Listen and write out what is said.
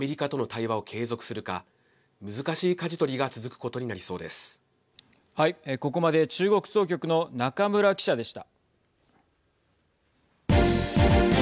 ここまで中国総局の中村記者でした。